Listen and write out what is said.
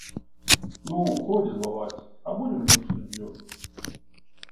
Ну, годзе злаваць, абудзім лепш суддзю.